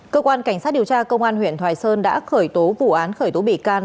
cơ quan cảnh sát điều tra công an huyện thoại sơn đã khởi tố vụ án khởi tố bị can